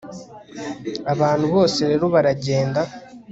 Abantu bose rero baragenda